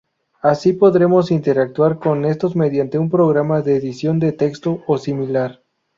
Así podremos interactuar con estos mediante un programa de edición de texto o similar.